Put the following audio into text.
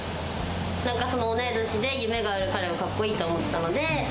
なんか同い年で夢がある彼をかっこいいと思ったので。